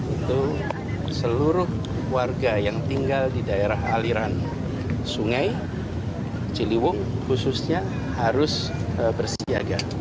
itu seluruh warga yang tinggal di daerah aliran sungai ciliwung khususnya harus bersiaga